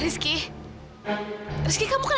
rizky jawab aku yang jujur ya